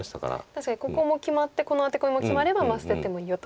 確かにここも決まってこのアテコミも決まれば捨てもいいよと。